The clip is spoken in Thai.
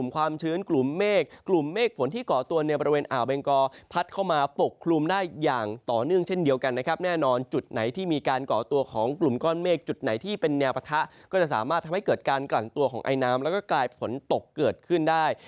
ก็จะสามารถทำให้เกิดการกลั่นตัวของไอน้ำแล้วก็กลายฝนตกเกิดขึ้นได้